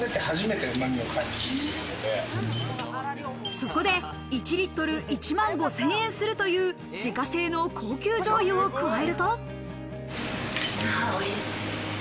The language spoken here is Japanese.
そこで１リットル１万５０００円するという自家製の高級醤油を加えると。